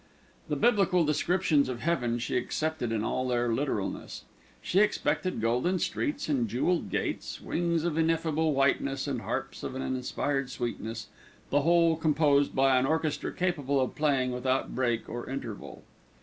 The Biblical descriptions of heaven she accepted in all their literalness. She expected golden streets and jewelled gates, wings of ineffable whiteness and harps of an inspired sweetness, the whole composed by an orchestra capable of playing without break or interval.